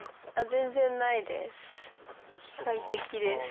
全然ないです。